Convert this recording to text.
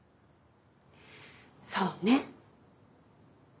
そうね。